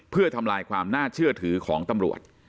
เพื่อทำลายความน่าเชื่อถือของตำรวจ